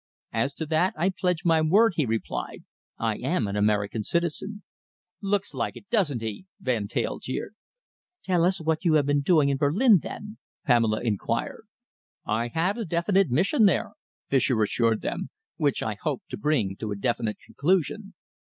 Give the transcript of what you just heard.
"As to that I pledge my word," he replied. "I am an American citizen." "Looks like it, doesn't he!" Van Teyl jeered. "Tell us what you have been doing in Berlin, then?" Pamela inquired. "I had a definite mission there," Fischer assured them, "which I hope to bring to a definite conclusion.